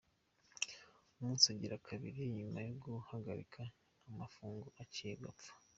Umusi ugira kabiri inyuma yo guhagarika amafungo, yaciye apfa.